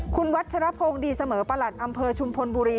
คุณวัชรพงศ์ดีเสมอประหลัดอำเภอชุมพลบุรี